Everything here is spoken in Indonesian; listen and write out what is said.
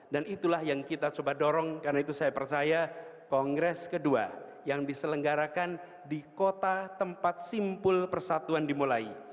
dan itulah yang kita coba dorong karena itu saya percaya kongres kedua yang diselenggarakan di kota tempat simpul persatuan dimulai